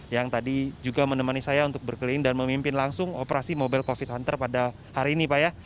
yang tadi juga menemani saya untuk berkeliling dan memimpin langsung operasi mobile covid hunter pada hari ini pak ya